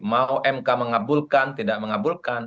mau mk mengabulkan tidak mengabulkan